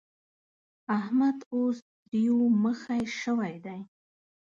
احمد اوس تريو مخی شوی دی.